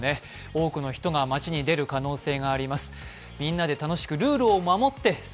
多くの人が街に出る可能性があります。